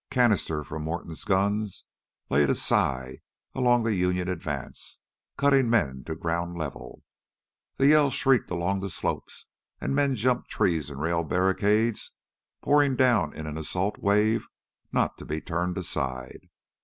Canister from Morton's guns laid a scythe along the Union advance, cutting men to ground level. The Yell shrilled along the slopes, and men jumped trees and rail barricades, pouring down in an assault wave not to be turned aside.